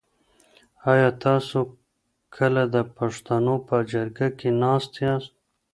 آیا تاسو کله د پښتنو په جرګه کي ناست یاست؟